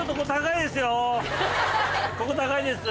ここ高いです